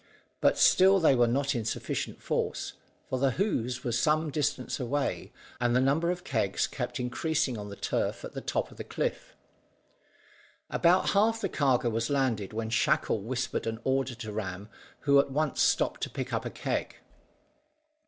But still they were not in sufficient force, for the Hoze was some distance away, and the number of kegs kept increasing on the turf at the top of the cliff. About half the cargo was landed when Shackle whispered an order to Ram, who at once stooped to pick up a keg.